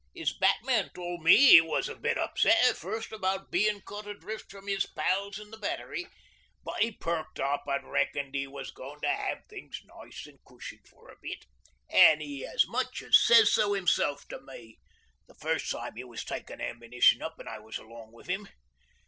'Is batman tole me 'e was a bit upset at first about bein' cut adrift from 'is pals in the Battery but 'e perked up an' reckoned 'e was goin' to 'ave things nice an' cushy for a bit. An' 'e as much as says so himself to me the first time 'e was takin' ammunition up an' I was along with 'im.